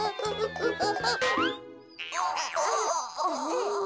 ああ。